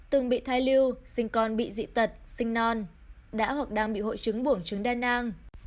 từng bị thai lưu sinh con bị dị tật sinh non đã hoặc đang bị hội chứng buồn trứng đa nang